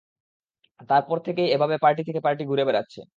তার পর থেকেই এভাবে পার্টি থেকে পার্টি ঘুরে বেড়াচ্ছে।